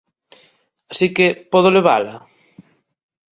Así que, podo levala?